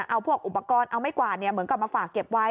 เอาพวกอุปกรณ์เอาไม้กวาดเหมือนกับมาฝากเก็บไว้